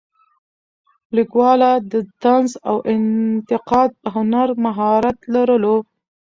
لیکواله د طنز او انتقاد په هنر مهارت لرلو.